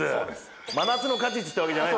『真夏の果実』ってわけじゃない。